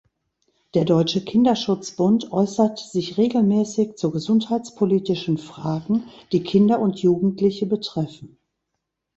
Der Deutsche Kinderschutzbund äußert sich regelmäßig zu gesundheitspolitischen Fragen, die Kinder und Jugendliche betreffen.